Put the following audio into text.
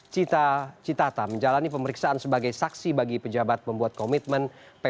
cita citata menjalani pemeriksaan sebagai saksi bagi pejabat pembuat komitmen